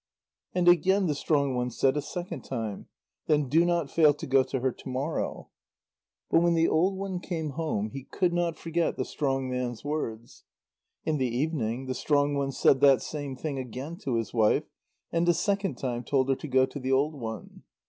And again the strong one said a second time: "Then do not fail to go to her to morrow." But when the old one came home, he could not forget the strong man's words. In the evening, the strong one said that same thing again to his wife, and a second time told her to go to the old one.